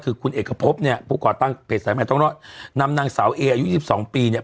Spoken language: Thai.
คือคุณเอกพบเนี่ยผู้ก่อตั้งเพจสายใหม่ต้องรอดนำนางสาวเออายุ๒๒ปีเนี่ย